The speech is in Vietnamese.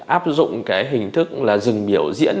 áp dụng hình thức là dừng biểu diễn